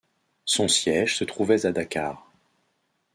Son siège se trouvait à Dakar.